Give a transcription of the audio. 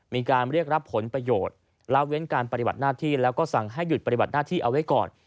มีการเรียกรับผลประโยชน์ละเว้นการปฏิบัติหน้าที่แล้วก็สั่งให้หยุดปฏิบัติหน้าที่เอาไว้ก่อน